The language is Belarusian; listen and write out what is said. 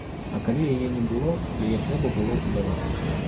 А калі яе не было, яе трэба было будаваць.